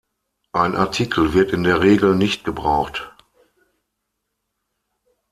Ein Artikel wird in der Regel nicht gebraucht.